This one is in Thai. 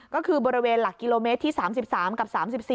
ก็คือบริเวณหลักกิโลเมตรที่๓๓กับ๓๔